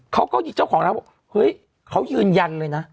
เขาก็ยิดเจ้าของแล้วบอกเฮ้ยเขายืนยันเลยนะ